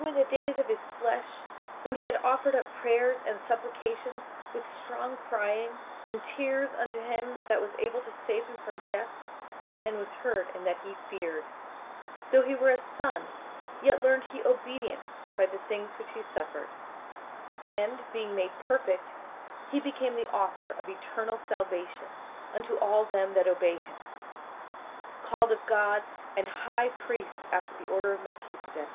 58:005:007 Who in the days of his flesh, when he had offered up prayers and supplications with strong crying and tears unto him that was able to save him from death, and was heard in that he feared; 58:005:008 Though he were a Son, yet learned he obedience by the things which he suffered; 58:005:009 And being made perfect, he became the author of eternal salvation unto all them that obey him; 58:005:010 Called of God an high priest after the order of Melchisedec.